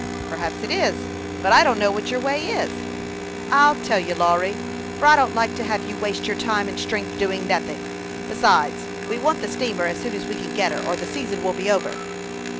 " Perhaps it is ; but I don't know what your way is." " I'll tell you, Lawry, for I don't like to have you waste your time and strength doing nothing ; besides, we want the steamer as soon as we can get her, or the season will be over."